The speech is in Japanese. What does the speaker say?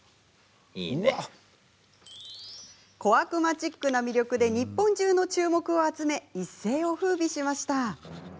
小悪魔チックな魅力で日本中の注目を集め一世をふうびしました。